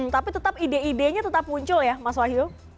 tapi tetap ide idenya tetap muncul ya mas wahyu